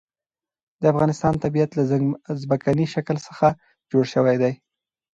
د افغانستان طبیعت له ځمکنی شکل څخه جوړ شوی دی.